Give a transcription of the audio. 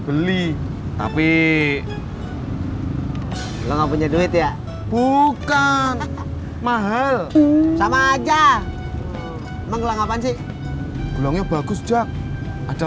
beli tapi lu nggak punya duit ya bukan mahal sama aja mengelola ngasih gelangnya bagus jack ada